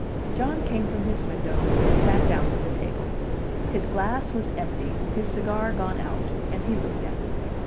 John came from his window and sat down at the table. His glass was empty, his cigar gone out, and he looked at me.